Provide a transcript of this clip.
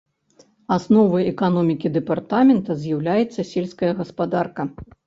Асновай эканомікі дэпартамента з'яўляецца сельская гаспадарка.